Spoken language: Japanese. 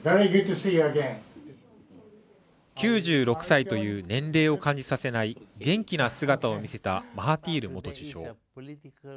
９６歳という年齢を感じさせない元気な姿を見せたマハティール元首相。